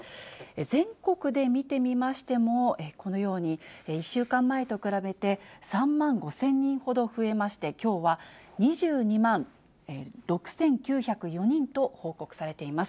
全国で見てみましても、このように１週間前と比べて、３万５０００人ほど増えまして、きょうは２２万６９０４人と報告されています。